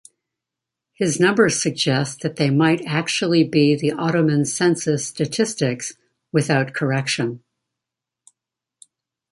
His numbers suggest that they might actually be the Ottoman census statistics, without correction.